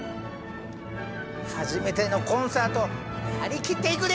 初めてのコンサート張り切っていくで！